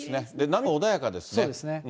波も穏やかですね。